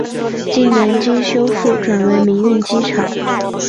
近年经修复转为民用机场。